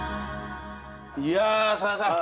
いやさださん。